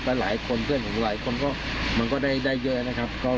เพื่อนของหลายคนมันก็ได้เยอะนะครับ